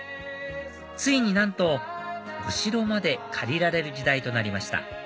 ついになんとお城まで借りられる時代となりました